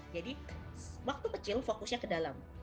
jadi waktu kecil fokusnya ke dalam